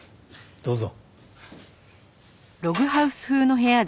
どうぞ。